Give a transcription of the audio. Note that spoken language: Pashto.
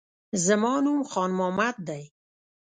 زما نوم خان محمد دی